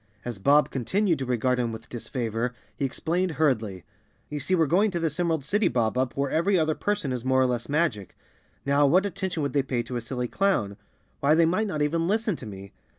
As Bob continued to regard him with disfavor, he explained hurriedly, "You see we're go¬ ing to this Emerald City, Bob Up, where every other person is more or less magic. Now, what attention would they pay to a silly clown? Why, they might not even listen to me.